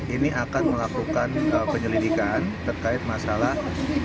ini akan melakukan penyelidikan terkait masalah